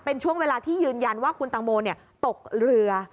เป็นช่วงเวลาที่ยืนยันว่าคุณตังโมตกเรือ